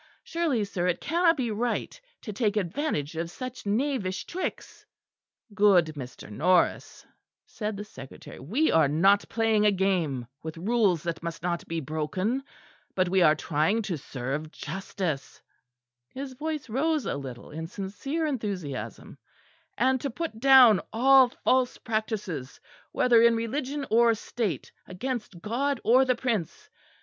Surely, sir, it cannot be right to take advantage of such knavish tricks." "Good Mr. Norris," said the Secretary, "we are not playing a game, with rules that must not be broken, but we are trying to serve justice" his voice rose a little in sincere enthusiasm "and to put down all false practices, whether in religion or state, against God or the prince.